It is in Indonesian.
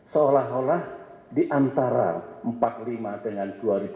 seolah olah di antara seribu sembilan ratus empat puluh lima dengan dua ribu tujuh belas